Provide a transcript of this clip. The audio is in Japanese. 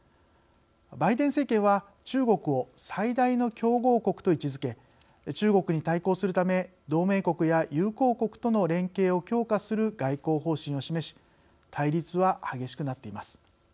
バイデン政権は中国を最大の競合国と位置づけ中国に対抗するため同盟国や友好国との連携を強化する外交方針を示し対立は激しくなっています。